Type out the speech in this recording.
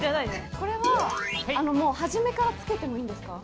これはもう初めからつけてもいいんですか？